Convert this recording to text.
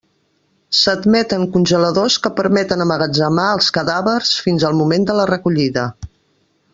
S'admeten congeladors que permeten emmagatzemar els cadàvers fins al moment de la recollida.